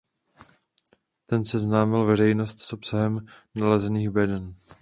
Ten seznámil veřejnost s obsahem nalezených beden.